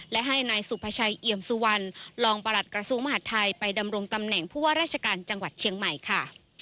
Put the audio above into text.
และให้นายสุภาชัยเอี่ยมสุวรรณรองประหลัดกระทรวงมหาดไทยไปดำรงตำแหน่งผู้ว่าราชการจังหวัดเชียงใหม่ค่ะ